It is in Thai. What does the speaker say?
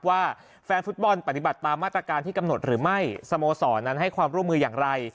ว่าแฟนฟุตบอลปฏิบัติตามมาตรการที่กำหนดหรือไม่สโมสรนั้นให้ความร่วมมืออย่างไร